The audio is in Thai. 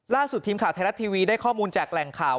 ทีมข่าวไทยรัฐทีวีได้ข้อมูลจากแหล่งข่าว